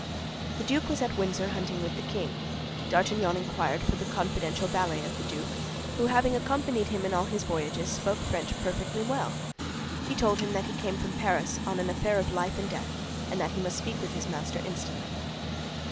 The duke was at Windsor hunting with the king. D'Artagnan inquired for the confidential valet of the duke, who, having accompanied him in all his voyages, spoke French perfectly well; he told him that he came from Paris on an affair of life and death, and that he must speak with his master instantly.